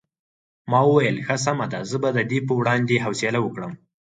ما وویل ښه سمه ده زه به د دې په وړاندې حوصله وکړم.